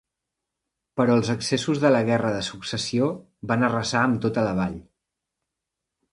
Però els excessos de la guerra de successió van arrasar amb tota la vall.